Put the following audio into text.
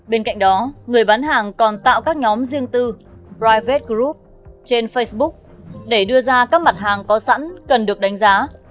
bên cạnh đó người bán hàng còn tạo các nhóm riêng tư ryve group trên facebook để đưa ra các mặt hàng có sẵn cần được đánh giá